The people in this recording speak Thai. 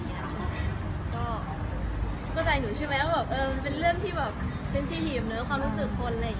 ก็เข้าใจหนูใช่ไหมว่ามันเป็นเรื่องที่เซ็นซิทีฟความรู้สึกคน